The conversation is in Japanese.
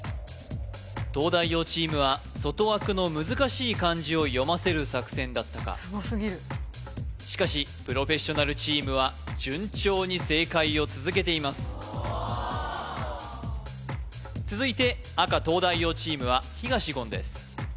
東大王チームは外枠の難しい漢字を読ませる作戦だったかしかしプロフェッショナルチームは順調に正解を続けています続いて赤東大王チームは東言です